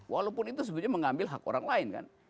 walaupun itu sebetulnya mengambil hak orang lain kan